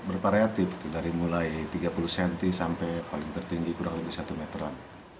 bervariatif dari mulai tiga puluh cm sampai paling tertinggi kurang lebih satu meteran